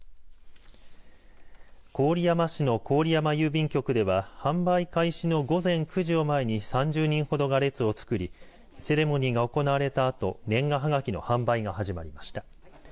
郡山市の郡山郵便局では販売開始の午前９時を前に３０人ほどが列を作りセレモニーが行われたあと年賀はがきの販売が始まりました。